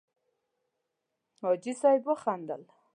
حاجي صیب وخندل.